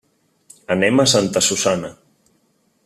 Anem a Santa Susanna.